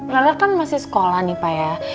laler kan masih sekolah nih pak ya